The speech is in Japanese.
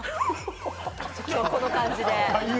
今日はこの感じで。